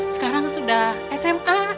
sekarang sudah sma